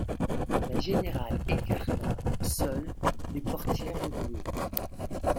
La générale écarta, seule, les portières de velours.